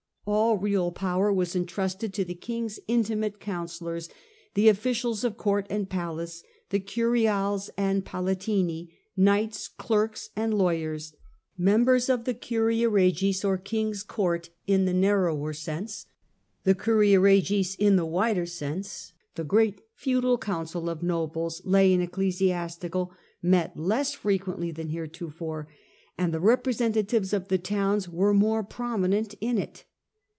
All real power was entrusted to the king's intimate councillors, the officials of court and palace, the curiales and palatini, knights, clerks and lawyers, members of the curia regis or king's court, in the narrower sense. The curia regis in the wider sense, the great feudal council of nobles, lay and ecclesiastical, met less frequently than heretofore, and the representa tives of the towns were more prominent in it.